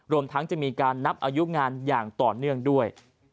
รวมทั้งจะมีการนับอายุงานอย่างต่อเนื่องด้วย